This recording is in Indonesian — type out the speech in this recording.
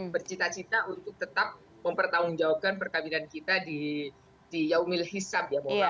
bercita cita untuk tetap mempertanggungjawabkan perkawinan kita di yaumil hisap ya